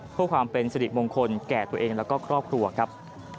เพื่อความเป็นสิริมงคลแก่ตัวเองแล้วก็ครอบครัวครับ